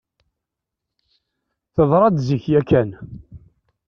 Teḍra-d zik yakan.